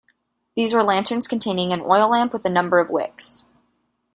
These were lanterns containing an oil lamp with a number of wicks.